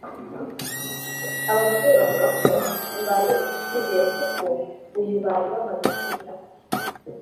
Aba basore bavuga ko bari bafite icyizere kuko uyu bari bamaze kwita se